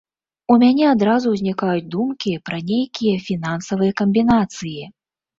У мяне адразу ўзнікаюць думкі пра нейкія фінансавыя камбінацыі.